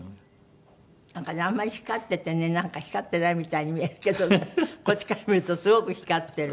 なんかねあんまり光っててねなんか光ってないみたいに見えるけどこっちから見るとすごく光ってる。